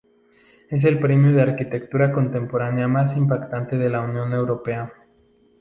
Es el premio de arquitectura contemporánea más importante de la Unión Europea.